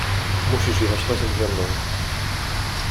"Musisz jechać razem że mną."